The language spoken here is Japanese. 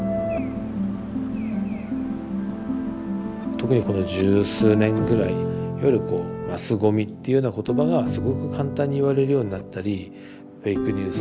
特にこの十数年ぐらいいわゆる「マスゴミ」っていうような言葉がすごく簡単に言われるようになったりフェイクニュース